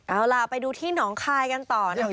เอาล่ะไปดูที่หนองคายกันต่อนะครับ